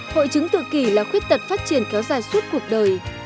hội chứng tự kỷ là khuyết tật phát triển kéo dài suốt cuộc đời